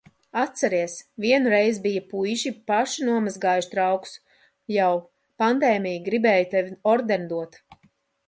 Atceries, vienu reizi bija puiši paši nomazgājuši traukus, jau, pandēmija, gribēju tev ordeni dot.